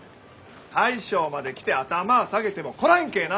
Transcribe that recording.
大将まで来て頭ぁ下げてもこらえんけえな！